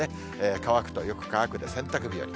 乾くとよく乾くで洗濯日和。